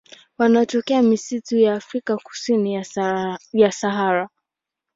Wanatokea misitu ya Afrika kusini kwa Sahara.